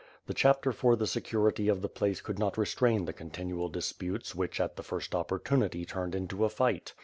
The Chapter for the security of the place could not restrain the continual disputes which at the first opportunity turned into a fight.